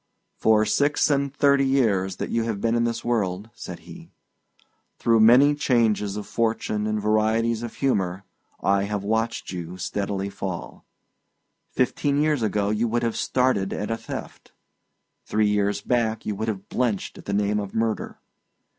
"For six and thirty years that you have been in this world," said he, "through many changes of fortune and varieties of humour, I have watched you steadily fall. Fifteen years ago you would have started at a theft. Three years back you would have blenched at the name of murder.